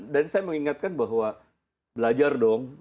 dan saya mengingatkan bahwa belajar dong